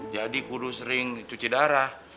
jadi kudu sering cuci darah